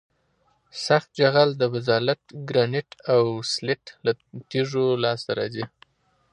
سخت جغل د بزالت ګرانیت او سلیت له تیږو لاسته راځي